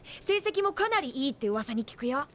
成績もかなりいいってうわさに聞くよ。